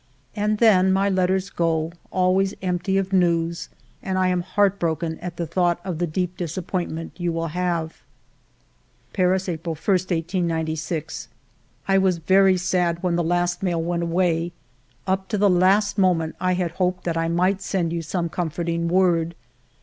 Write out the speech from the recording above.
And then my letters go, always empty of news, and I am heart broken at the thought of the deep disappointment you will have." ...Paris, April i, 1896. " I was very sad when the last mail went away. Up to the last moment I had hoped that I might send you some comforting word.